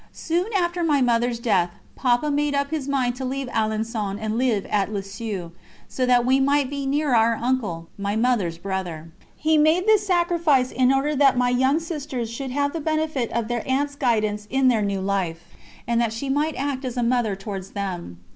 Soon after my Mother's death, Papa made up his mind to leave Alençon and live at Lisieux, so that we might be near our uncle, my Mother's brother. He made this sacrifice in order that my young sisters should have the benefit of their aunt's guidance in their new life, and that she might act as a mother towards them.